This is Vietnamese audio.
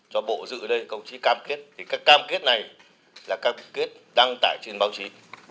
cho bộ dự ở đây công chí cam kết thì các cam kết này là cam kết đăng tải trên báo chí